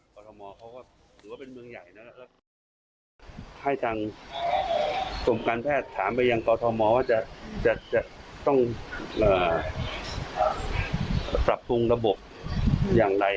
กรมการแพทย์ถามไปยังกรมการแพทย์ว่าจะต้องตรับปรุงระบบอย่างไร